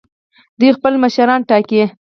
دوی خپل مشران ټاکي.